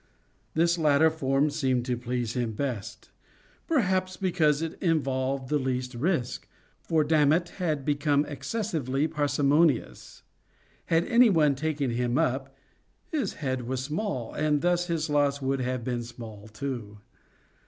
This latter form seemed to please him best;—perhaps because it involved the least risk; for Dammit had become excessively parsimonious. Had any one taken him up, his head was small, and thus his loss would have been small too.